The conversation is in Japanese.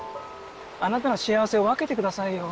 あなたの幸せを分けてくださいよ。